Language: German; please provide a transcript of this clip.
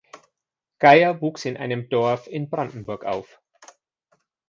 Geyer wuchs in einem Dorf in Brandenburg auf.